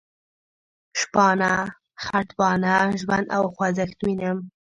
شپانه، خټبانه، ژوند او خوځښت وینم.